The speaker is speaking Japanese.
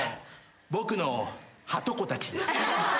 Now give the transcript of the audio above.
僕のはとこたちです。